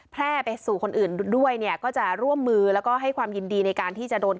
แพร่ไปสู่คนอื่นด้วยเนี่ยก็จะร่วมมือแล้วก็ให้ความยินดีในการที่จะโดน